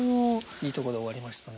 いいとこで終わりましたね。